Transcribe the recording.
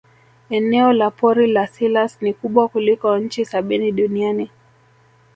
eneo la pori la selous ni kubwa kuliko nchi sabini duniani